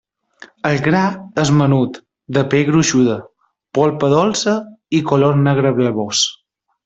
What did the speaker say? El gra és menut, de pell gruixuda, polpa dolça i color negre blavós.